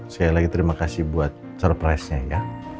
sekali lagi terima kasih buat surprise nya ya